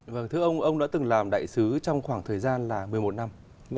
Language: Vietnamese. vâng thưa ông ông đã từng làm đại sứ trong khoảng thời gian là một mươi một năm